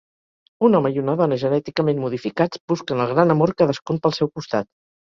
Un home i una dona genèticament modificats busquen el gran amor cadascun pel seu costat.